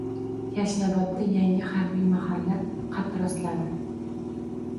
Yashnobodda yangi harbiy mahalla qad rostladi